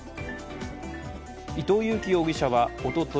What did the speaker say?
伊藤裕樹容疑者はおととい